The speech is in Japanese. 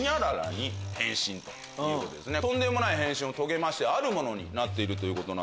とんでもない変身を遂げましてあるものになっているという。